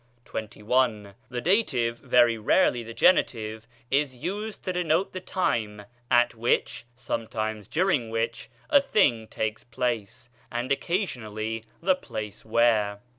XXI. The dative (very rarely the genitive) is used to denote the time at which (sometimes during which) a thing takes place, and occasionally the place where.